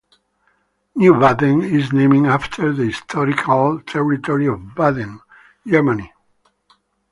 New Baden is named after the historical territory of Baden, Germany.